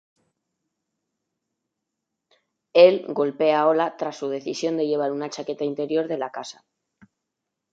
Él golpea Ola tras su decisión de llevar una chaqueta interior de la casa.